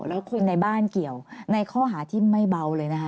แล้วคนในบ้านเกี่ยวในข้อหาที่ไม่เบาเลยนะคะ